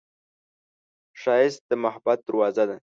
ښایست د محبت دروازه ده